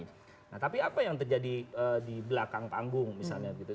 nah tapi apa yang terjadi di belakang panggung misalnya gitu